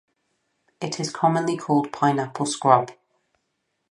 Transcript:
It is commonly called pineapple scrub.